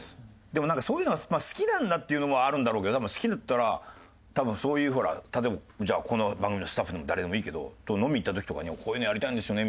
でもそういうのが好きなんだっていうのもあるんだろうけど好きだったら多分そういうほら例えばこの番組のスタッフの誰でもいいけどと飲み行った時とかに「こういうのやりたいんですよね」